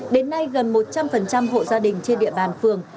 đến nay gần một trăm linh hộ gia đình trên địa bàn phường